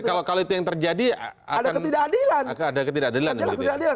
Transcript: kalau itu yang terjadi akan ada ketidakadilan